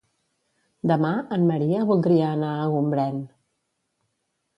Demà en Maria voldria anar a Gombrèn.